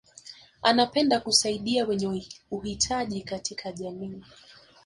anapenda kusaidia wenye uhitaji katika jamii